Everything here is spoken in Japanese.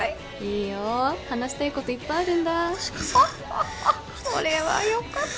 いいよ話したいこといっぱいあるんだ「ホッホッホそれはよかった」